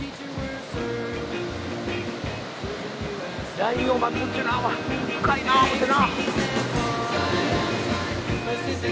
ラインを待つっちゅうのは深いなぁ思てな。